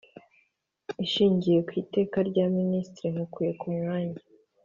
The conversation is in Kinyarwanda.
Ishingiye ku Iteka rya Ministiri nkukuye mumwanya